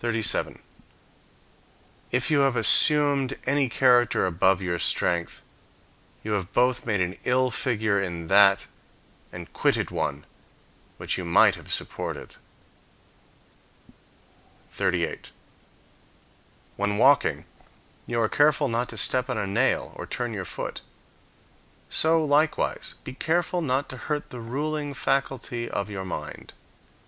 If you have assumed any character above your strength, you have both made an ill figure in that and quitted one which you might have supported. 38. When walking, you are careful not to step on a nail or turn your foot; so likewise be careful not to hurt the ruling faculty of your mind.